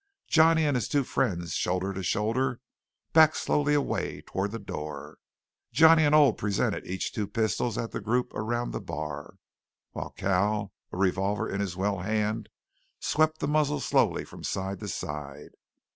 Johnny and his two friends shoulder to shoulder backed slowly away toward the door. Johnny and Old presented each two pistols at the group around the bar, while Cal, a revolver in his well hand, swept the muzzle slowly from side to side.